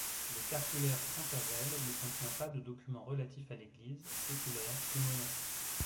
Le Cartulaire Trencavel ne contient pas de documents relatifs à l'Église, séculaire ou monastique.